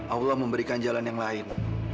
allah memberikan jalan yang lain